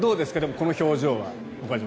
この表情。